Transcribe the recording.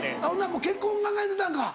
もう結婚考えてたんか？